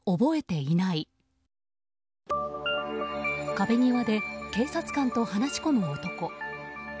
壁際で警察官と話し込む男。